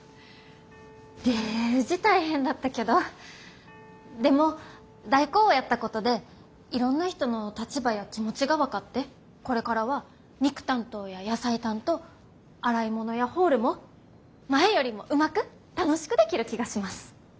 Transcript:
デージ大変だったけどでも代行をやったことでいろんな人の立場や気持ちが分かってこれからは肉担当や野菜担当洗い物やホールも前よりもうまく楽しくできる気がします。